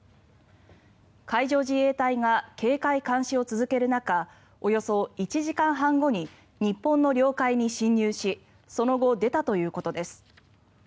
海上自衛隊が警戒監視を続ける中およそ１時間半後に日本の領海に侵入しその後、出たということです。